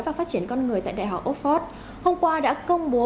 và phát triển con người tại đại học oxford hôm qua đã công bố